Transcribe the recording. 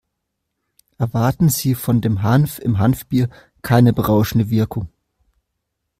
Erwarten Sie von dem Hanf im Hanfbier keine berauschende Wirkung.